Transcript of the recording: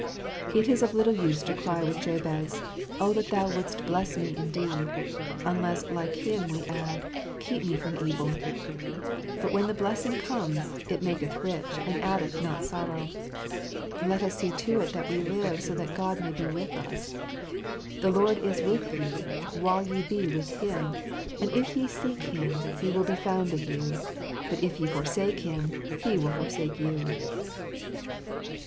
It is of little use to cry with Jabez, " Oh that Thou wouldest bless me indeed !" unless, like him we add, " Keep me from evil." But when the blessing comes, "it maketh rich, and addeth no sorrow." Let us see to it that we live so that God may be with us. " The Lord is with you, while ye be with Him : and if ye seek Him, He will be found of you ; but if ye forsake Him, He will forsake you."